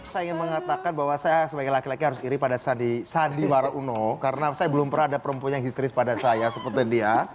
saya ingin mengatakan bahwa saya sebagai laki laki harus iri pada sandiwara uno karena saya belum pernah ada perempuan yang histeris pada saya seperti dia